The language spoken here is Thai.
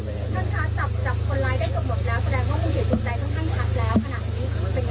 ท่านคะจับจับคนร้ายได้กับหมดแล้วแสดงว่าคุณถือสนใจต่างต่างชัดแล้วขนาดนี้